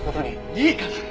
いいから！